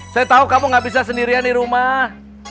saya tahu kamu gak bisa sendirian di rumah